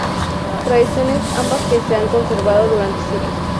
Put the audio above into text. Tradiciones ambas que se han conservado durante siglos.